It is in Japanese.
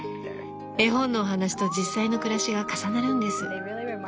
絵本のお話と実際の暮らしが重なるんです。